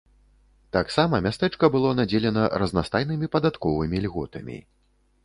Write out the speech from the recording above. Таксама мястэчка было надзелена разнастайнымі падатковымі льготамі.